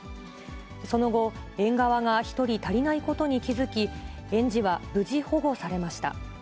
その後、園側が１人足りないことに気付き、園児は無事保護されました。